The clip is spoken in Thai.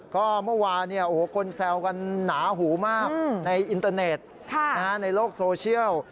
ก็เมื่อวานคนแซวกันหนาหูมากในอินเตอร์เน็ตในโลกโซเชียล